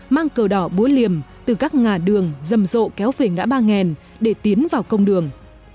mang cờ đỏ búa liềm từ các ngã đường rầm rộ kéo về ngã ba nghèn để tiến vào công đường